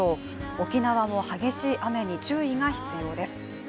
沖縄も激しい雨に注意が必要です。